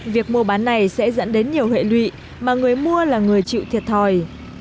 việc mua bán này sẽ dẫn đến nhiều hệ lụy mà người mua là người chịu thiệt thòi